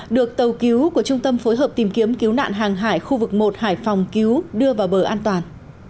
được tàu cứu của trung tâm phối hợp tìm kiếm cứu nạn hàng hải khu vực một hải phòng cứu đưa vào bờ an toàn